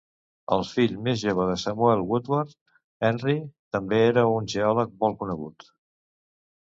El fill més jove de Samuel Woodward, Henry, també era un geòleg molt conegut.